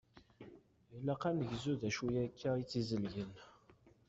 Ilaq ad negzu d acu akka i tt-izelgen.